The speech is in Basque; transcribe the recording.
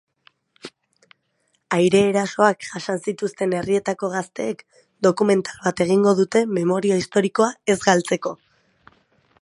Aire-erasoak jasan zituzten herrietako gazteek dokumental bat egingo dute memoria historikoa ez galtzeko.